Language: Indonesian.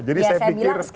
jadi saya pikir